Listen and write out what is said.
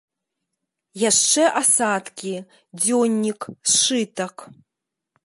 Яшчэ асадкі, дзённік, сшытак.